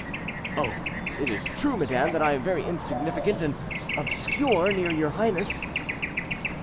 "Oh! it is true, madame, that I am very insignificant and obscure near your highness."